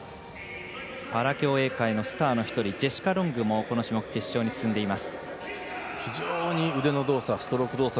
パラ競泳界のスターの１人ジェシカ・ロングもこの種目の決勝に進んでいます。